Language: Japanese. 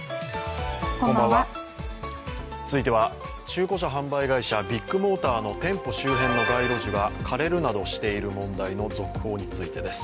続いては中古車販売会社、ビッグモーターの店舗周辺の街路樹が枯れるなどしている問題の続報についてです。